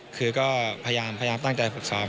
คือก็พยายามตั้งใจฝึกซ้อม